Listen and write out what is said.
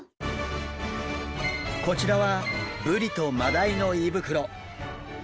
こちらはブリとマダイの胃袋。